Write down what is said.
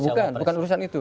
bukan bukan urusan itu